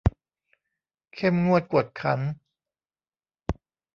เข้มงวดกวดขัน